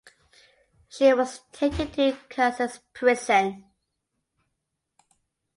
She was taken to Caxias prison.